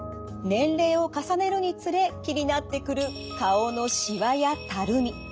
年齢を重ねるにつれ気になってくる顔のしわやたるみ。